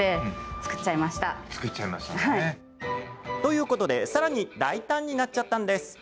作っちゃいましたね。ということでさらに大胆になっちゃったんです。